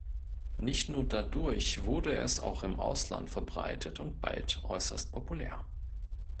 Nicht nur dadurch wurde es auch im Ausland verbreitet und bald äußerst populär.